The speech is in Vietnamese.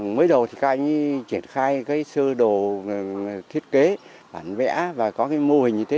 mới đầu thì các anh ấy triển khai cái sơ đồ thiết kế bản vẽ và có cái mô hình như thế